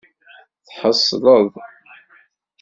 Tḥeṣleḍ?